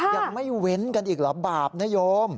ยังไม่เว้นกันอีกเหรอบาปนโยม